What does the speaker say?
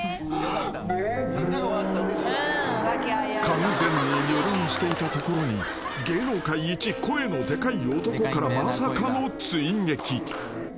［完全に油断していたところに芸能界一声のでかい男からまさかの追撃］